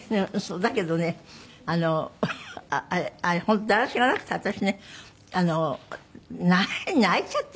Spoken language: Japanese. だけどねあれ本当だらしがなくて私ね泣いちゃってね駄目な。